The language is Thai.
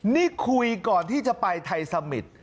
นี่คุยก่อนที่จะไปไทยสมิตร